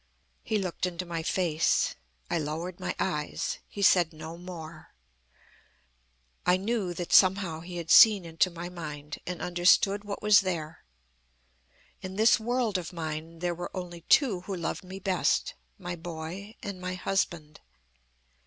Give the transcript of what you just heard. "He looked into my face. I lowered my eyes. He said no more. I knew that, somehow, he had seen into my mind, and understood what was there. In this world of mine, there were only two who loved me best my boy and my husband.